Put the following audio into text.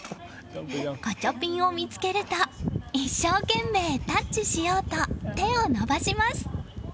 ガチャピンを見つけると一生懸命タッチしようと手を伸ばします。